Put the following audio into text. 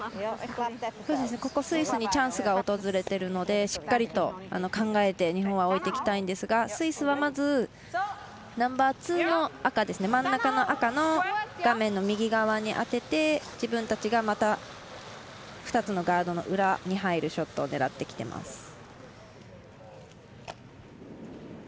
ここスイスにチャンスが訪れているのでしっかりと、考えて日本は置いていきたいんですがスイスは、まずナンバーツーの真ん中の赤に当てて自分たちがまた２つのガードの裏に入るショットを狙ってきてます。